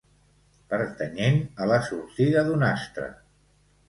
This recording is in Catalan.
Pertanyent a la sortida d'un astre.